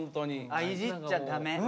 あいじっちゃダメ？